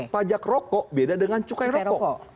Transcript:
pajak rokok beda dengan cukai rokok